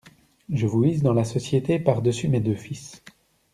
Je vous hisse dans la société par-dessus mes deux fils.